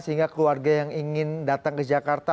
sehingga keluarga yang ingin datang ke jakarta